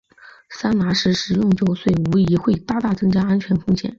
桑拿时食用酒水无疑会大大增加安全风险。